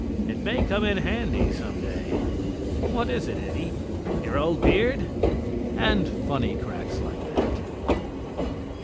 It may come in handy some day. What is it, Eddie? Your old beard?" And funny cracks like that.